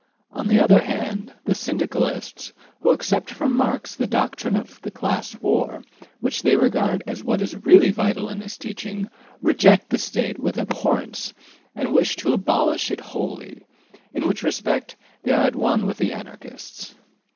On the other hand, the Syndicalists, who accept from Marx the doctrine of the class war, which they regard as what is really vital in his teaching, reject the State with abhorrence and wish to abolish it wholly, in which respect they are at one with the Anarchists.